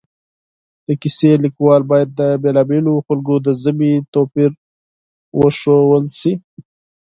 د کیسې لیکوال باید د بېلا بېلو خلکو د ژبې توپیر وښودلی شي